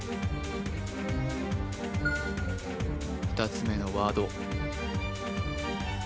２つ目のワード